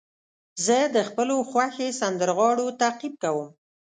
زه د خپلو خوښې سندرغاړو تعقیب کوم.